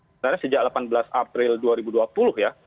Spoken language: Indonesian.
sebenarnya sejak delapan belas april dua ribu dua puluh ya